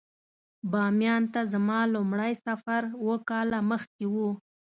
بامیان ته زما لومړی سفر اووه کاله مخکې و.